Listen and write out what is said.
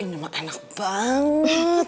ini mah enak banget